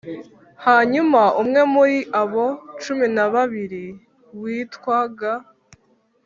Hanyuma umwe muri abo cumi na babiri witwaga